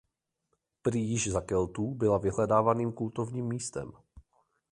Prý již za Keltů byla vyhledávaným kultovním místem.